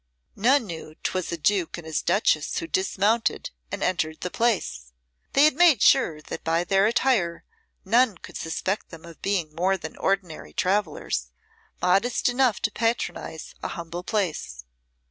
None knew 'twas a Duke and his Duchess who dismounted and entered the place. They had made sure that by their attire none could suspect them of being more than ordinary travellers, modest enough to patronise a humble place.